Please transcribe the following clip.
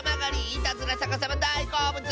いたずらさかさまだいこうぶつ！